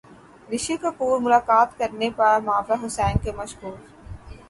رشی کپور ملاقات کرنے پر ماورا حسین کے مشکور